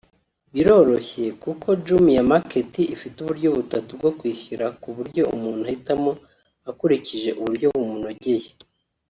Biroroshye kuko Jumia Market ifite uburyo butatu bwo kwishyura ku buryo umuntu ahitamo akurikije uburyo bumunogeye